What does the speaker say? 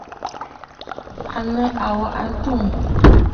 À nɨ àwa ǹtu.